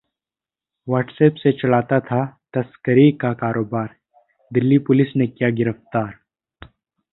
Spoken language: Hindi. Whatsapp से चलाता था तस्करी का कारोबार, दिल्ली पुलिस ने किया गिरफ्तार